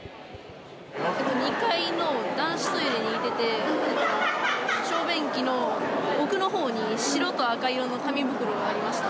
２階の男子トイレに行ってて、小便器の奥のほうに、白と赤色の紙袋がありました。